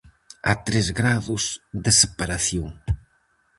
A tres grados de separación.